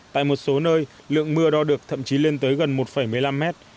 tại một số nơi lượng mưa đo được thậm chí lên tới gần một một mươi năm mét